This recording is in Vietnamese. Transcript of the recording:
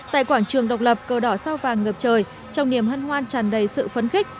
tại quảng trường độc lập cờ đỏ sao vàng ngập trời trong niềm hân hoan tràn đầy sự phấn khích